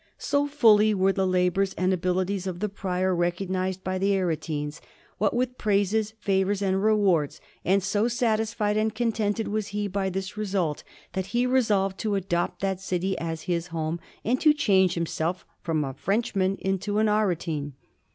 So fully were the labours and abilities of the Prior recognized by the Aretines, what with praises, favours, and rewards, and so satisfied and contented was he by this result, that he resolved to adopt that city as his home, and to change himself from a Frenchman into an Aretine.